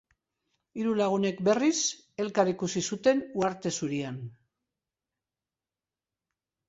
Hiru lagunek, berriz elkar ikusi zuten Uharte Zurian.